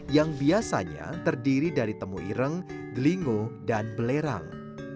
yang biasanya terdiri dari temu ireng gelinggo dan belerang